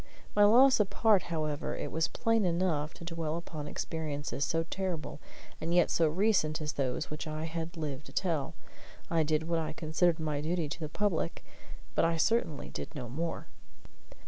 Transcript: My loss apart, however, it was plain enough to dwell upon experiences so terrible and yet so recent as those which I had lived to tell. I did what I considered my duty to the public, but I certainly did no more.